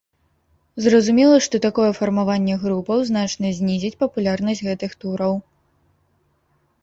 Зразумела, што такое фармаванне групаў значна знізіць папулярнасць гэтых тураў.